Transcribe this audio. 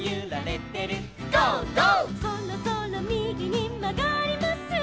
「そろそろみぎにまがります」